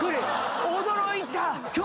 驚いた！